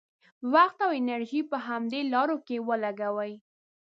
وخت او انرژي په همدې لارو کې ولګوي.